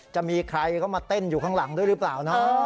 จะมีใครเข้ามาเต้นอยู่ข้างหลังด้วยหรือเปล่านะ